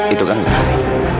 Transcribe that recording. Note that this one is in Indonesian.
itu kan utari